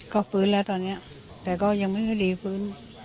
ก็ฟื้นแล้วตอนนี้แต่ก็ยังไม่ค่อยดีฟื้น